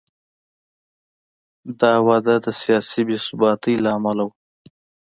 دا وده د سیاسي بې ثباتۍ له امله و.